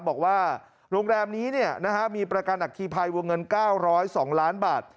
บอกว่าโรงแรมนี้มีประกันอัคคีภัยวงเงิน๙๐๒ล้านบาท